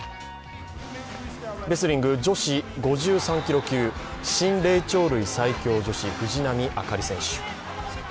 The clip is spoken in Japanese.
レスリング女子５３キロ級、シン霊長類最強女子・藤波朱理選手。